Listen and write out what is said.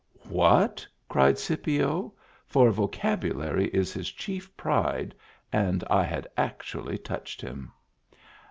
" ?F^j//" cried Scipio; for vocabulary is his chief pride and I had actually touched him.